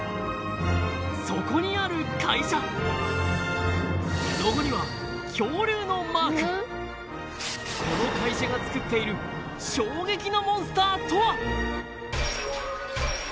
そこにある会社ロゴにはこの会社が作っている衝撃のモンスターとは？